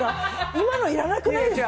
今の、いらなくないですか？